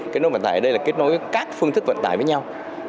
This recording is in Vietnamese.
cái nối vận tải ở đây là kết nối các phương thức vận tải với nhau